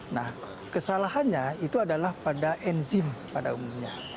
nah kesalahannya itu adalah pada enzim pada umumnya